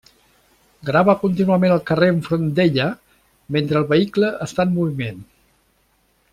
Grava contínuament el carrer enfront d'ella mentre el vehicle està en moviment.